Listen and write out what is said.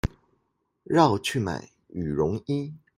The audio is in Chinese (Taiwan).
繞去買羽絨衣